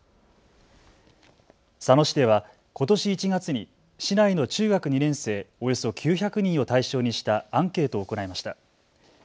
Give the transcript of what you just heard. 佐野市では、ことし１月に市内の中学２年生およそ９００人を対象にしたアンケートを行いました。